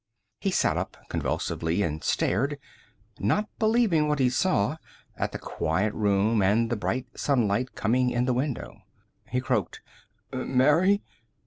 He sat up convulsively and stared, not believing what he saw, at the quiet room and the bright sunlight coming in the window. He croaked, "Mary?"